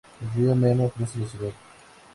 El río Meno cruza la ciudad.